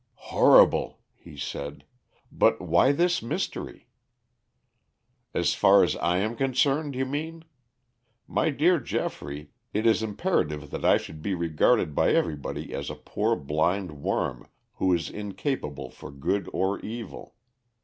"Horrible," he said, "but why this mystery?" "As far as I am concerned, you mean? My dear Geoffrey, it is imperative that I should be regarded by everybody as a poor blind worm who is incapable for good or evil.